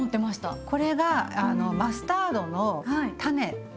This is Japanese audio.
これがマスタードの種。